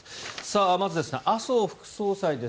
まず、麻生副総裁です。